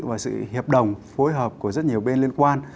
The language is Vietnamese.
và sự hiệp đồng phối hợp của rất nhiều bên liên quan